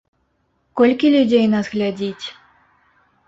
Колькі людзей нас глядзіць?